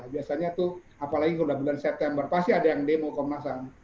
biasanya itu apalagi kemudian bulan september pasti ada yang demo komnas